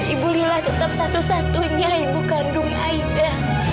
ibu lila tetap satu satunya ibu kandung aida